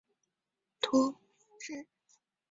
穆龙人口变化图示